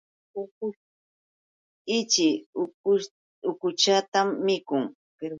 Ichii ukushtam mikun.